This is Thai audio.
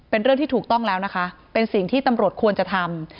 เป็นเรื่องที่ถูกต้องแล้วนะคะเป็นสิ่งที่ตำรวจควรจะทำ